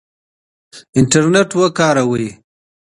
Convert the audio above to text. انټرنیټ وکاروئ.